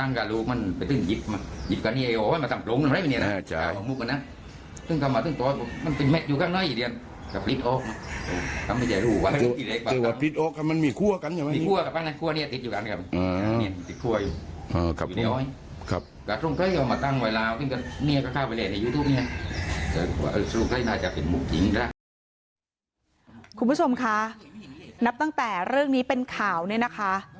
คุณผู้ชมคะนับตั้งแต่เรื่องนี้เป็นข่าวเนี่ยนะคะ